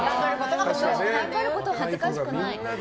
頑張ることは恥ずかしくない。